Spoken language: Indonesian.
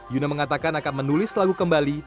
yuna mengatakan akan menulis lagu kembali